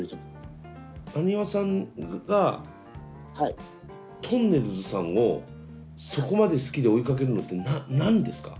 ハニワさんがとんねるずさんをそこまで好きで追いかけるのって何ですか？